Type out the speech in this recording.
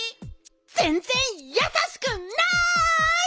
ぜんぜんやさしくない！